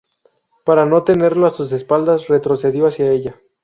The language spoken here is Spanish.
Para no tenerlo a sus espaldas, retrocedió hacia ella.